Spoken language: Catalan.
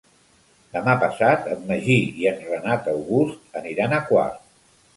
Demà passat en Magí i en Renat August aniran a Quart.